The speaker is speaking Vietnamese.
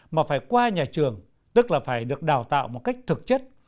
mà phải qua nhà trường tức là phải được đào tạo một cách thực chất